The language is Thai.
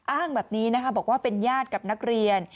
อ้างแบบนี้นะคะบอกว่าเป็นญาติกับนักเรียน